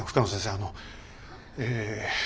あのええ。